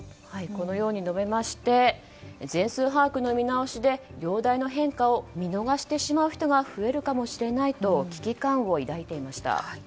このように述べまして全数把握の見直しで容体の変化を見逃してしまう人が増えるかもしれないと危機感を抱いていました。